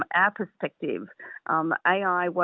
dan tentu dari perspektif kita